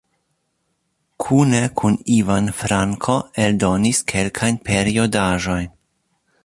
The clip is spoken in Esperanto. Kune kun Ivan Franko eldonis kelkajn periodaĵojn.